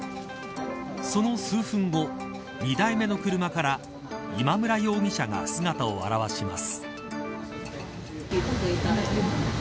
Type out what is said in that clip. その数分後２台目の車から今村容疑者が姿を現します。